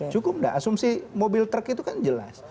cukup nggak asumsi mobil truk itu kan jelas